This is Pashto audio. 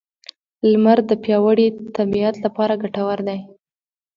لمر د پیاوړې طبیعت لپاره ګټور دی.